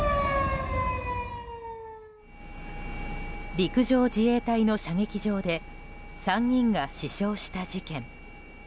陸上自衛隊の射撃場で３人が死傷した事件。